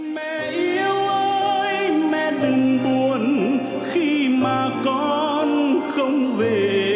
mẹ yêu ơi mẹ đừng buồn khi mà con không về